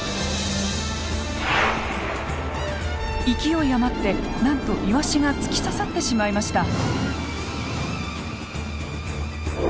勢い余ってなんとイワシが突き刺さってしまいました。